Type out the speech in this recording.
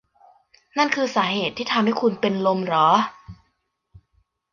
นั่นคือสาเหตุที่ทำให้คุณเป็นลมเหรอ